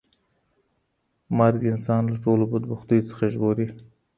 مرګ انسان له ټولو بدبختیو څخه ژغوري.